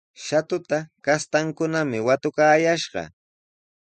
Shatuta kastankunami watukayashqa.